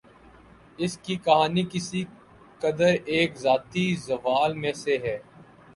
اس کی کہانی کسی قدر ایک ذاتی زوال میں سے ہے